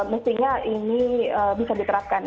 mestinya ini bisa diterapkan